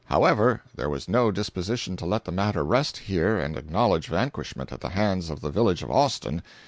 However, there was no disposition to let the matter rest here and acknowledge vanquishment at the hands of the village of Austin.